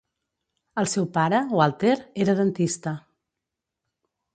El seu pare, Walter, era dentista.